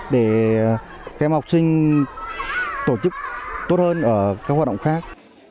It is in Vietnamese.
để các em học sinh tổ chức tốt hơn ở các hoạt động khác